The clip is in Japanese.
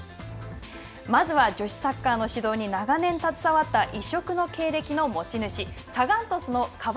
まずは女子サッカーの指導に長年携わった異色の経歴の持ち主